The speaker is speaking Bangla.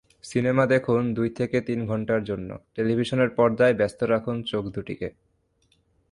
সিনেমা দেখুনদুই থেকে তিন ঘণ্টার জন্য টেলিভিশনের পর্দায় ব্যস্ত রাখুন চোখ দুটিকে।